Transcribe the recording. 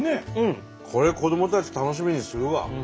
これ子どもたち楽しみにするわ。